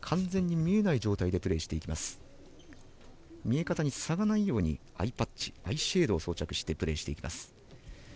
見え方に差がないようにアイシェードを装着してプレーしていきます。